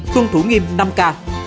khuôn thủ nghiêm năm k